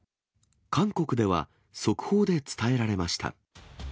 韓国では速報で伝えられました。